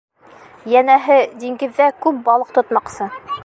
Йәнәһе, диңгеҙҙә күл балыҡ тотмаҡсы.